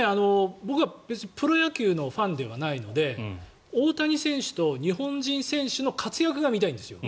僕は別にプロ野球のファンではないので大谷選手と日本人選手の活躍が見たいんですよ。